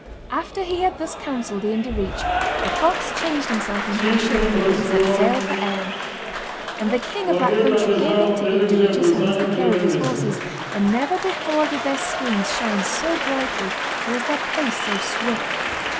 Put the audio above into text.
After he had thus counselled Ian Direach, the fox changed himself into a ship, and set sail for Erin. And the king of that country gave into Ian Direach's hands the care of his horses, and never before did their skins shine so brightly or was their pace so swift.